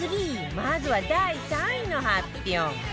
まずは第３位の発表